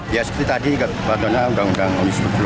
ya seperti tadi kebetulan uu cipta kerja omnibus law tadi